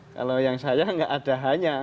kalau yang saya nggak ada hanya